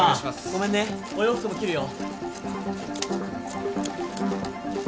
ごめんねお洋服も切るよ。